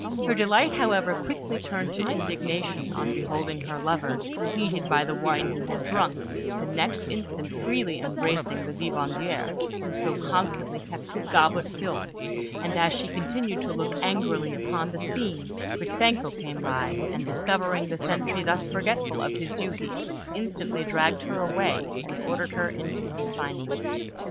Her delight, however, quickly turned to indignation on beholding her lover, heated by the wine he had drunk, the next instant freely embracing the vivandière who so constantly kept his goblet filled; and as she continued to look angrily upon the scene, Gritzenko came by, and, discovering the sentry thus forgetful of his duty, instantly dragged her away, and ordered her into confinement.